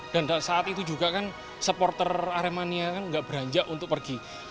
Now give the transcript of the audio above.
dan saat itu juga kan supporter aremania kan gak beranjak untuk pergi